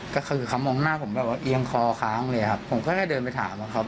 ก็คือเขามองหน้าผมแบบว่าเอียงคอค้างเลยครับผมก็แค่เดินไปถามอะครับ